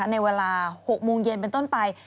ในเวลา๖โมงเย็นเป็นต้นไป